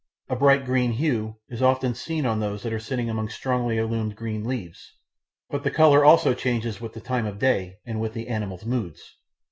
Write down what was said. A bright green hue is often seen on those that are sitting among strongly illumined green leaves. But the colour also changes with the time of day and with the animal's moods.